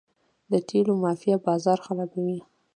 د تیلو مافیا بازار خرابوي.